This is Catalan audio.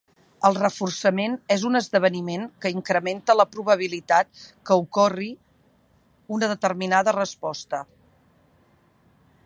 El reforçament és un esdeveniment que incrementa la probabilitat que ocorri una determinada resposta.